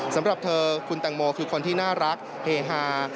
สำหรับเธอคุณแตงโมคือคนที่น่ารักเฮฮา